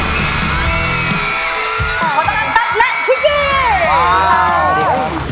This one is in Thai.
ตัดและพิงกี้